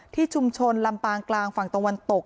ที่ชุมชนลำปางกลางฝั่งตะวันตก